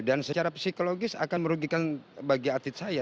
dan secara psikologis akan merugikan bagi atid saya